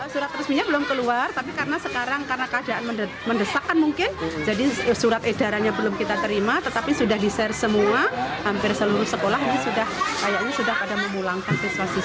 surat resminya belum keluar tapi karena sekarang karena keadaan mendesakkan mungkin jadi surat edarannya belum kita terima tetapi sudah di share semua hampir seluruh sekolah ini sudah kayaknya sudah pada memulangkan siswa siswa